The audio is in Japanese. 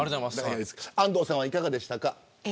安藤さんはいかがでしたか。